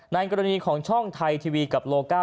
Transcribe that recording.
ในกรณีของช่องไทยทีวีกับโลก้า